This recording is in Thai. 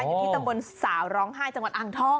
อยู่ที่ตำบลสาวร้องไห้จังหวัดอ่างทอง